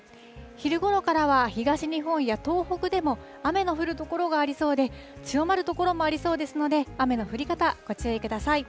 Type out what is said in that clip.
昼ごろからは、東日本や東北でも雨の降る所がありそうで、強まる所もありそうですので、雨の降り方、ご注意ください。